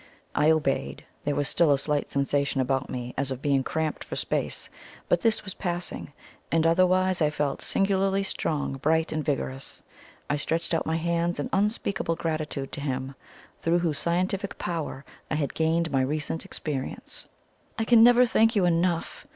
I obeyed. There was still a slight sensation about me as of being cramped for space; but this was passing, and otherwise I felt singularly strong, bright and vigorous. I stretched out my hands in unspeakable gratitude to him through whose scientific power I had gained my recent experience. "I can never thank you enough!"